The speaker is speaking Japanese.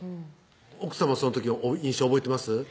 奥さまその時印象覚えてます？